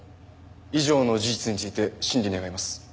以上の事実について審理願います。